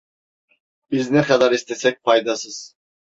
Biz ne kadar istesek faydasız…